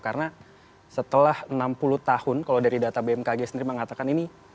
karena setelah enam puluh tahun kalau dari data bmkg sendiri mengatakan ini